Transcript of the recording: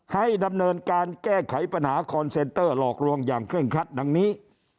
ให้ดำเนินการแก้ไขปัญหาคอนเซนเตอร์หลอกลวงอย่างเคร่งครัดดังนี้